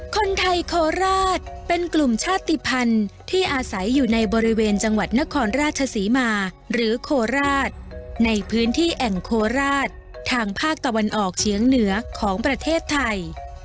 คนไทยโคราชเป็นกลุ่มชาติภัณฑ์ที่อาศัยอยู่ในบริเวณจังหวัดนครราชศรีมาหรือโคราชในพื้นที่แห่งโคราชทางภาคตะวันออกเฉียงเหนือของประเทศไทย